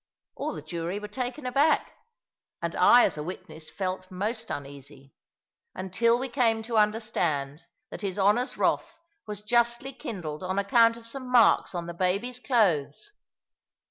All of the jury were taken aback; and I as a witness felt most uneasy; until we came to understand that his Honour's wrath was justly kindled on account of some marks on the baby's clothes.